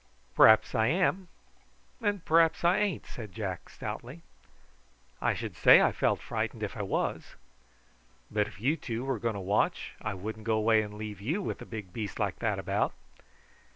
"P'r'aps I am, and p'r'aps I ain't," said Jack stoutly. "I should say I felt frightened if I was; but if you two were going to watch I wouldn't go away and leave you with a big beast like that about.